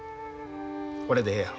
これでええやろ。